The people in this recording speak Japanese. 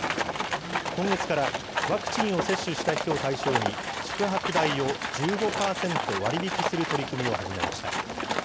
今月から、ワクチンを接種した人を対象に、宿泊代を１５％割引きする取り組みを始めました。